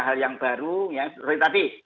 hal yang baru tapi